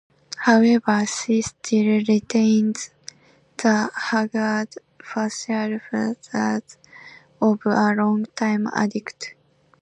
However, she still retains the haggard facial features of a long-time addict.